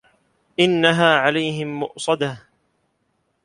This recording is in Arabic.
إِنَّها عَلَيهِم مُؤصَدَةٌ